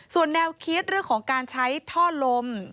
ส่วนแนวคิดเรื่องของการใช้ท่อลม